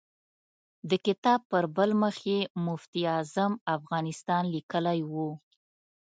د کتاب پر بل مخ یې مفتي اعظم افغانستان لیکلی و.